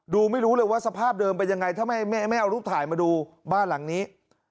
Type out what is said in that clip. ไม่รู้เลยว่าสภาพเดิมเป็นยังไงถ้าไม่เอารูปถ่ายมาดูบ้านหลังนี้